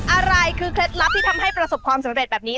อะไรคือเคล็ดลับที่ทำให้ประสบความสำเร็จแบบนี้